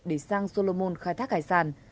để sang solomon khai thác hải sản